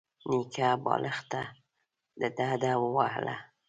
نيکه بالښت ته ډډه ووهله.